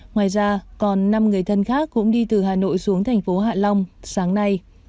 ngoài ra còn năm người thân khác cũng đi từ hà nội xuống thành phố hạ long sáng nay